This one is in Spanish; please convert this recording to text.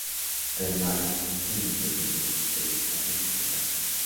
Además, Shelby se compromete pelear fácil contra Carly.